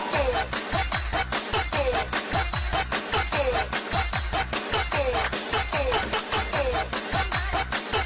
จังหวะที่เขาแลกกันหน่อยแม้ใช้ตุ๊กแก่แทนเทนดาว